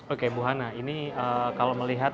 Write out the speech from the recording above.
oke bu hana ini kalau melihat